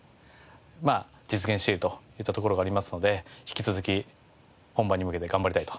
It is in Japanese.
実現しているといったところがありますので引き続き本番に向けて頑張りたいと思っております。